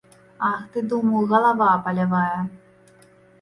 Ах ты, думаю, галава палявая.